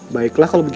baiklah kalau begitu